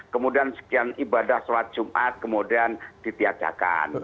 kemudian sekian ibadah selat jumat kemudian ditiajakan